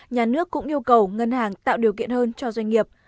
nhà nước cũng yêu cầu ngân hàng tạo điều kiện hơn cho doanh nghiệp